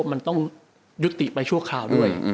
มันต้องยุติไปชั่วคราวด้วย